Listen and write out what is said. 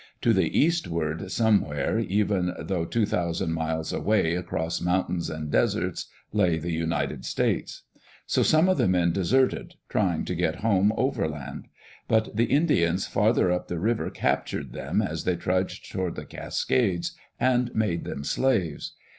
To the eastward, somewhere, even though two thousand miles away across mountains and deserts, lay the United States. So some of the men deserted, trying to get home overland. But the Indians farther up the river captured them as they trudged toward the Cascades, and made them slaves.